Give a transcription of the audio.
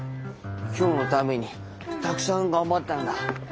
今日のためにたくさん頑張ったんだ。